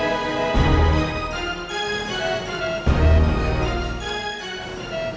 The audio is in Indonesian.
kita akan pastikan ma